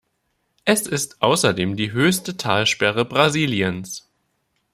Er ist außerdem die höchste Talsperre Brasiliens.